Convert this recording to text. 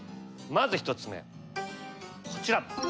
まず１つ目こちら。